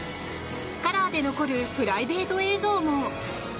カラーで残るプライベート映像も。